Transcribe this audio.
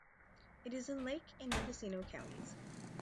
It is in Lake and Mendocino counties.